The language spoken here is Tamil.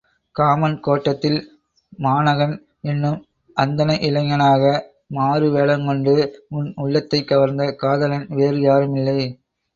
காமன் கோட்டத்தில் மாணகன் என்னும் அந்தண இளைஞனாக மாறுவேடங்கொண்டு உன் உள்ளத்தைக் கவர்ந்த காதலன் வேறு யாறுமில்லை!